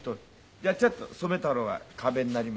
じゃあちょっと染太郎が壁になりまして。